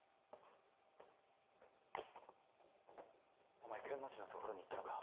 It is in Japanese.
お前剣持のところに行ったのか？